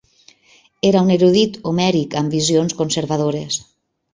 Era un erudit homèric amb visions conservadores.